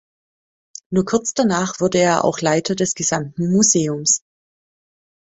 Nur kurz danach wurde er auch Leiter des gesamten Museums.